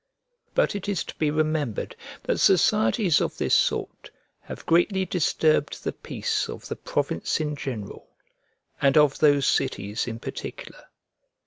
But it is to be remembered that societies of this sort have greatly disturbed the peace of the province in general, and of those cities in particular.